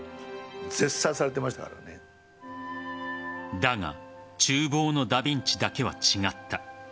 だが厨房のダ・ヴィンチだけは違った。